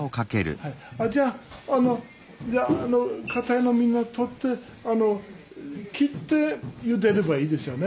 じゃああのじゃあかたいのみんな取ってあの切ってゆでればいいですよね？